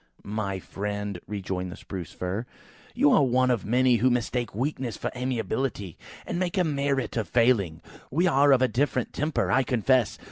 "My friend," rejoined the Spruce fir, "you are one of the many who mistake weakness for amiability, and make a merit of a failing. We are of a different temper, I confess!